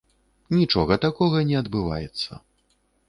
Нічога такога не адбываецца.